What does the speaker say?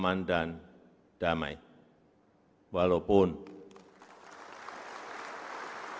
dengan keamanan aman dan damai